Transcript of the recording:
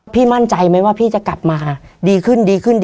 พี่มั่นใจไหมว่าพี่จะกลับมาดีขึ้น